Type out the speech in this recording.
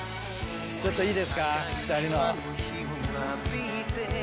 ちょっといいですか２人の。